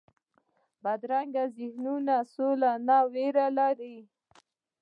بدرنګه ذهنونونه سولې نه ویره لري